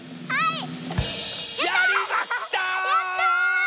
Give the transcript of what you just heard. はい！